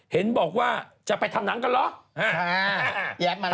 เห็นบอกว่าจะไปทำหนังกันเหรอ